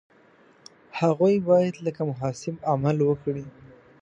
هغوی باید لکه محاسب عمل وکړي.